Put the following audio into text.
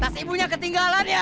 tas ibunya ketinggalan ya